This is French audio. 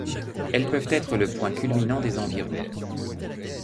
Elles peuvent être le point culminant des environs.